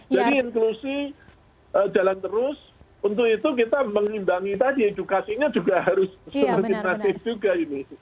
jadi inklusi jalan terus untuk itu kita mengimbangi tadi edukasinya juga harus serat satis juga ini